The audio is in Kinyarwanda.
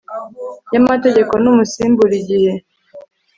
y amategeko n umusimbura igihe